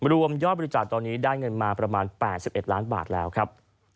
รวมยอดบริจาคตอนนี้ได้เงินมาประมาณ๘๑ล้านบาทแล้วครับ